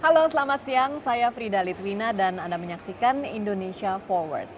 halo selamat siang saya frida litwina dan anda menyaksikan indonesia forward